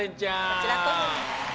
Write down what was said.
こちらこそです。